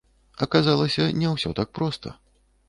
Аказалася не ўсё так проста.